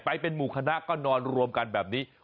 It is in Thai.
ไปเป็นหมู่คณะก็นอนรวมกันแบบนี้